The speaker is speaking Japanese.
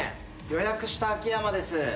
予約した秋山です。